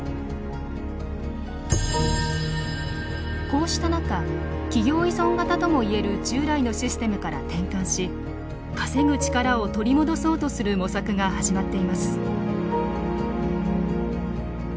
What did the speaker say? こうした中企業依存型とも言える従来のシステムから転換し稼ぐ力を取り戻そうとする模索が始まっています。